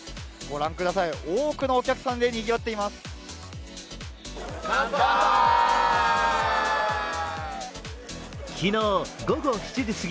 御覧ください、多くのお客さんでにぎわっています。